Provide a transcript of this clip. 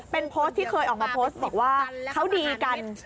เป็นโพสต์ที่เคยออกมาโพสต์บอกว่าเขาดีกัน